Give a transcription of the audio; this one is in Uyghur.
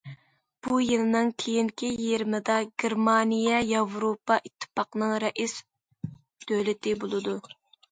بۇ يىلنىڭ كېيىنكى يېرىمىدا گېرمانىيە ياۋروپا ئىتتىپاقىنىڭ رەئىس دۆلىتى بولىدۇ.